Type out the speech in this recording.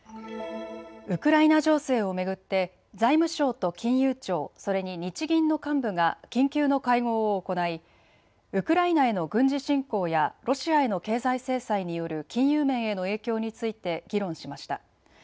ウクライナ情勢を巡って財務省と金融庁、それに日銀の幹部が緊急の会合を行い、ウクライナへの軍事侵攻やロシアへの経済制裁による金融面への影響について議論しました。